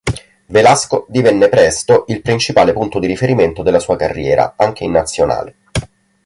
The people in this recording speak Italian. Velasco divenne presto il principale punto di riferimento della sua carriera, anche in Nazionale.